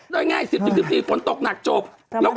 ได้ง่ายสิบสิบพื้นตกหนักสมัครสามารถระว่าง